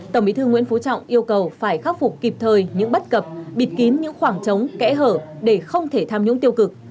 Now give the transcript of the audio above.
tổng bí thư nguyễn phú trọng yêu cầu phải khắc phục kịp thời những bất cập bịt kín những khoảng trống kẽ hở để không thể tham nhũng tiêu cực